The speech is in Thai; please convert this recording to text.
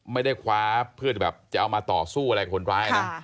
ไม่ได้คว้าเพื่อแบบจะเอามาต่อสู้อะไรคนร้ายนะ